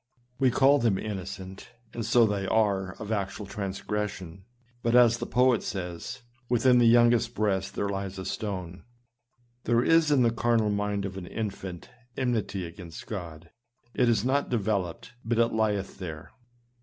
We call them inno cent, and so they are of actual transgression, but as the poet says, " Within the youngest breast there lies a stone." There is in the carnal mind of an infant, enmity against God; it is not developed, but it lieth there.